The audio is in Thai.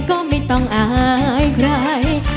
ก็ไม่ต้องอายใคร